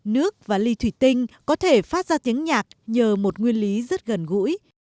nước và ly thủy tinh có thể phát ra tiếng nhạc nhờ một nguyên lý rất gần gũi